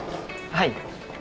はい。